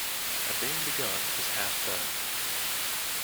A thing begun is half done.